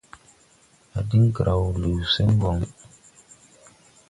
A diŋ graw liw sɛn bɔŋ.